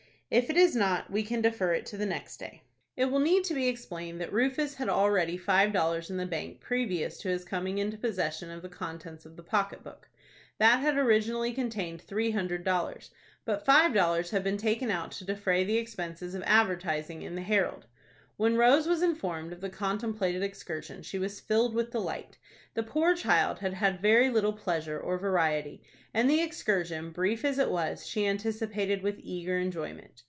"If it is not, we can defer it to the next day." It will need to be explained that Rufus had already five dollars in the bank previous to his coming into possession of the contents of the pocket book. That had originally contained three hundred dollars, but five dollars had been taken out to defray the expenses of advertising in the "Herald." When Rose was informed of the contemplated excursion, she was filled with delight. The poor child had had very little pleasure or variety, and the excursion, brief as it was, she anticipated with eager enjoyment.